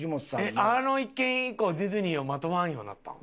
えっあの一件以降ディズニーをまとわんようになったん？